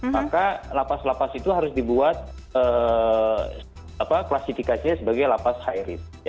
maka lapas lapas itu harus dibuat klasifikasinya sebagai lapas high risk